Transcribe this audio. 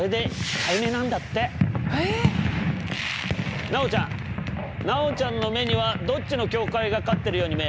奈央ちゃん奈央ちゃんの目にはどっちの教会が勝ってるように見える？